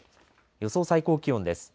予想最高気温です。